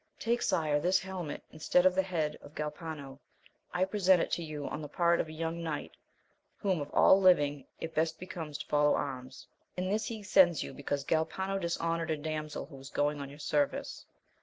Take, sire, this helmet instead of the head of Galpano. I present it to you on the part of a young knight, whom of all living it best becomes to follow arms, and this he sends you because Galpano dishonoured a damsel who was going on your service.